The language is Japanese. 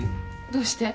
どうして？